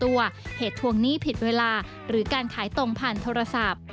เวลาหรือการขายตรงผ่านโทรศัพท์